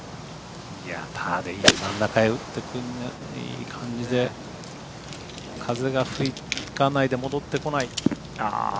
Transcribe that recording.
パーでいい真ん中へ打ってくんじゃないか風が吹かないで戻ってこない。